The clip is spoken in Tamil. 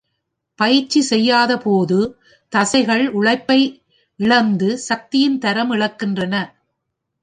பயிற்சி செய்யாத போது, தசைகள் உழைப்பை இழந்து, சக்தியின் தரம் இழக்கின்றன.